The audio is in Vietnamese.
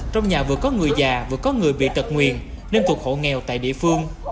trong nhà vừa có người già vừa có người bị tật nguyền nên thuộc hộ nghèo tại địa phương